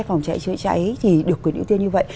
phòng cháy chữa cháy thì được quyền ưu tiên như vậy